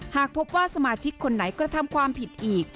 หากพบว่าสมาชิกคนไหนกระทำความผิดอีก